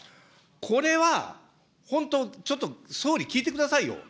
これは本当、ちょっと総理、聞いてくださいよ。